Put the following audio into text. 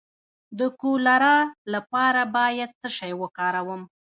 د کولرا لپاره باید څه شی وکاروم؟